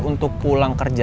untuk pulang kerjaan